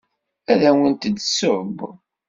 Ad awent-d-tesseww.